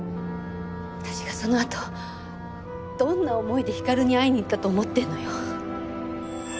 私がそのあとどんな思いで光に会いに行ったと思ってるのよ。